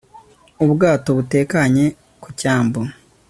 ubwato butekanye ku cyambu